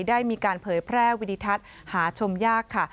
ได้มีการเผยแพร่วิดิทัศน์หาชมยากค่ะ